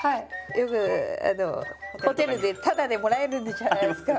よくホテルでただでもらえるじゃないですか。